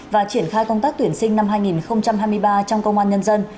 và triển khai công tác tuyển sinh năm hai nghìn hai mươi ba trong công an nhân dân